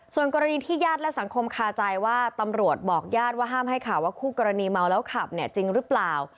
ส่วนกรณีที่ญาติและสังคมคาใจว่าตำรวจบอกญาติว่าห้ามให้ข่าวว่าคู่กรณีเมาแล้วขับเนี่ยจริงหรือเปล่า